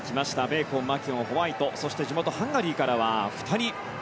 ベーコン、マキュオンホワイトそして地元ハンガリーから２人。